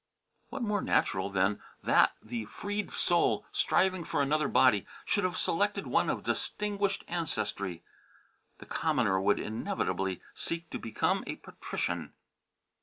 What more natural than that the freed soul, striving for another body, should have selected one of distinguished French ancestry? The commoner would inevitably seek to become a patrician.